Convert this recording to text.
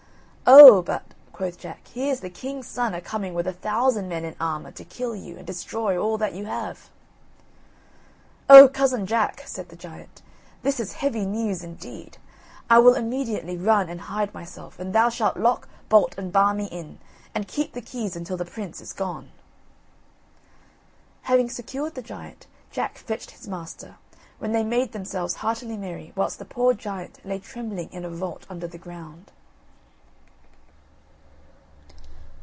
"Oh, but," quoth Jack, "here's the king's son a coming with a thousand men in armour to kill you and destroy all that you have!" "Oh, cousin Jack," said the giant, "this is heavy news indeed! I will immediately run and hide myself, and thou shalt lock, bolt, and bar me in, and keep the keys until the prince is gone." Having secured the giant, Jack fetched his master, when they made themselves heartily merry whilst the poor giant lay trembling in a vault under the ground.